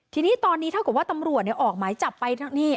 ทีนี้ตอนนี้เท่ากับว่าตำรวจออกหมายจับไปนี่